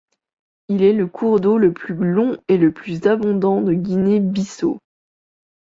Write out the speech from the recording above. Il est le cours d'eau le plus long et le plus abondant de Guinée-Bissau.